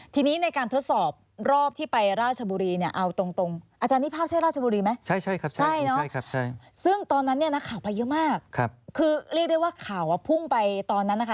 ทีนี้ในการทดสอบรอบที่ไปร่าชบุรีเอาตรง